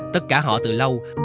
tất cả họ từ lâu